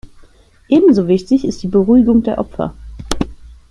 Ebenso wichtig ist die Beruhigung der Opfer.